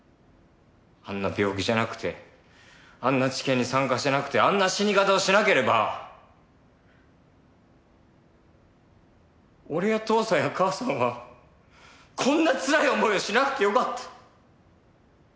あんな病気じゃなくてあんな治験に参加しなくてあんな死に方をしなければ俺や父さんや母さんはこんなつらい思いをしなくてよかった。